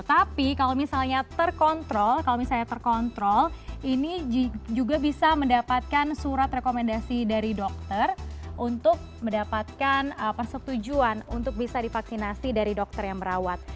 tapi kalau misalnya terkontrol kalau misalnya terkontrol ini juga bisa mendapatkan surat rekomendasi dari dokter untuk mendapatkan persetujuan untuk bisa divaksinasi dari dokter yang merawat